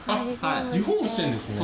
リフォームしてるんですね。